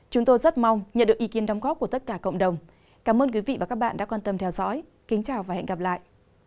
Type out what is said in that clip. cảm ơn các bạn đã theo dõi